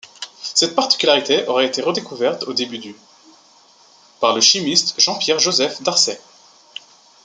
Cette particularité aurait été redécouverte au début du par le chimiste Jean-Pierre Joseph d'Arcet.